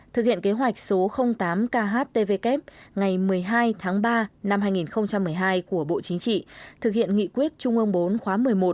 thực hiện kế hoạch số tám khtvk ngày một mươi hai tháng ba năm hai nghìn một mươi hai của bộ chính trị thực hiện nghị quyết trung ương bốn khóa một mươi một